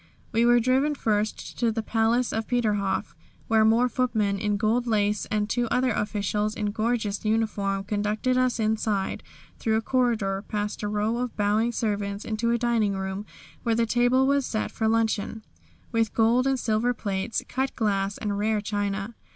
We were driven first to the Palace of Peterhof, where more footmen in gold lace, and two other officials in gorgeous uniform, conducted us inside, through a corridor, past a row of bowing servants, into a dining room where the table was set for luncheon, with gold and silver plates, cut glass and rare china.